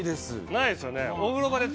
ないですよね。